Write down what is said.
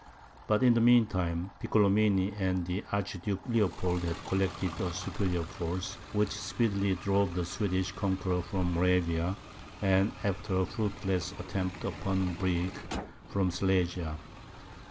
But, in the mean time, Piccolomini and the Archduke Leopold had collected a superior force, which speedily drove the Swedish conquerors from Moravia, and after a fruitless attempt upon Brieg, from Silesia.